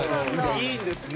いいんですね。